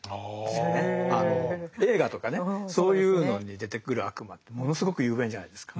映画とかねそういうのに出てくる悪魔ってものすごく雄弁じゃないですか。